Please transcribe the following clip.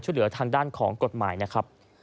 เหลือทางด้านของกฎหมายนะครับ